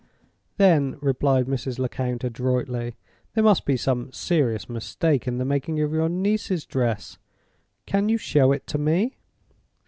"Then," replied Mrs. Lecount, adroitly, "there must be some serious mistake in the making of your niece's dress. Can you show it to me?"